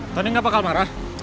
tani gak bakal marah